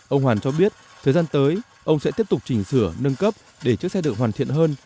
ông hoàn cho biết thời gian tới ông sẽ tiếp tục chỉnh sửa nâng cấp để chiếc xe được hoàn thiện hơn